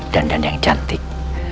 dandan yang cantik